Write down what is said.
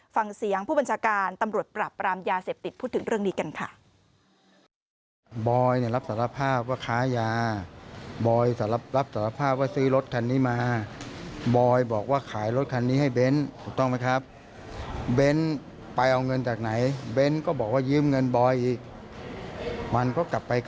ฟังเสียงผู้บัญชาการตำรวจปรับปรามยาเสพติดพูดถึงเรื่องนี้กันค่ะ